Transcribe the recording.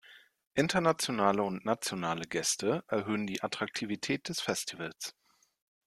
Internationale und nationale Gäste erhöhen die Attraktivität des Festivals.